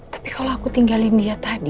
tapi kalau aku tinggalin dia tadi